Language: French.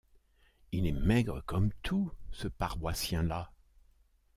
Il est maigre comme tout, ce paroissien-là.